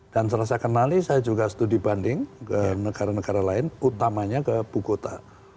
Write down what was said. dan setelah saya kenali saya juga studi banding ke negara negara lain utamanya ke bogota